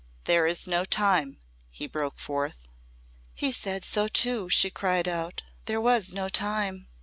"There is no time " he broke forth. "He said so too," she cried out. "There was no time!"